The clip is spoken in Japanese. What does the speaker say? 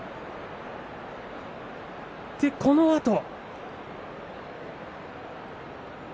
このあと。